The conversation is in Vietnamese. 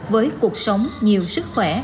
với cuộc sống nhiều sức khỏe